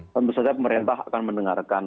dan setelah itu pemerintah akan mendengarkan